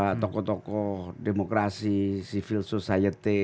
tidak ada tokoh tokoh demokrasi civil society yang menggerakkan gugatan ke mk mk ini